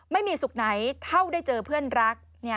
ไม่มีสุขไหนเท่าได้เจอเพื่อนรัก